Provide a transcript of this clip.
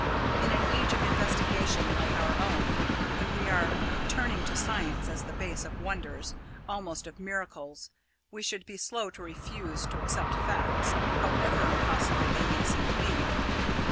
In an age of investigation like our own, when we are returning to science as the base of wonders almost of miracles we should be slow to refuse to accept facts, however impossible they may seem to be.